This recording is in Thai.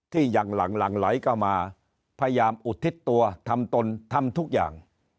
อย่างหลังไหลเข้ามาพยายามอุทิศตัวทำตนทำทุกอย่าง